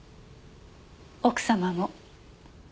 奥様も。